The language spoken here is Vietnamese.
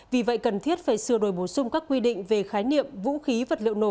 vì vậy cần thiết phải sửa đổi bổ sung các quy định về khái niệm vũ khí vật liệu nổ